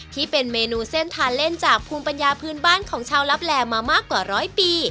ที่เป็นเมนูเส้นทานเล่นจากภูมิปัญญาพื้นบ้านของชาวลับแลมามากกว่าร้อยปี